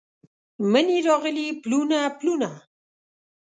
مني راغلي پلونه، پلونه